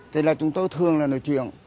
thì là chúng tôi thường là nói chuyện